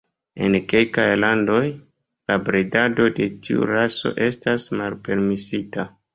En kelkaj landoj, la bredado de tiu raso estas malpermesita.